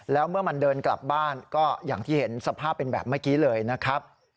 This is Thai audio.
แล้วเมื่อมันเดินกลับบ้านก็อย่างที่เห็นสภาพเป็นแบบเมื่อกี้เลยนะครับ